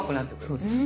そうです。